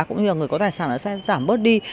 cũng như người có tài sản sẽ giảm bớt đi